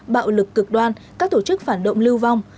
bạo lực cực đoan các tổ chức phản động lưu vong